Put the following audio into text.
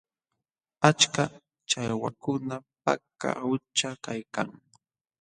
Achka challwakuna Paka qućha kaykan.